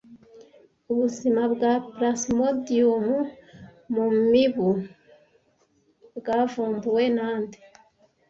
Ubuzima bwa Plasmodium mu mibu bwavumbuwe nande